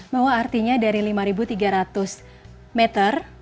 bahwa artinya dari lima tiga ratus meter